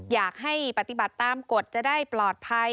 อยากให้ปฏิบัติตามกฎจะได้ปลอดภัย